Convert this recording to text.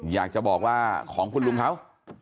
อยากจะบอกว่าของคุณลุงเขา